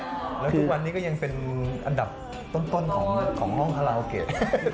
แล้วทุกวันนี้ก็ยังเป็นอันดับต้นของห้องคาราโอเกะ